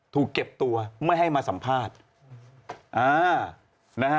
ถูกเก็บตัวไม่ให้มาสัมภาษณ์